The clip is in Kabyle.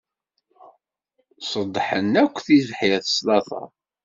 Ṣeddḥen akk tibḥirt s later.